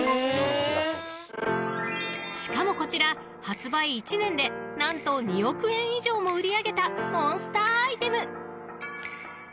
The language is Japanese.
［しかもこちら発売１年で何と２億円以上も売り上げたモンスターアイテム］